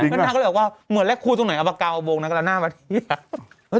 แล้วนางก็เลยบอกว่าเหมือนแรกคูณตรงไหนเอาปากกาวเอาโบงแล้วหน้ามาเฮีย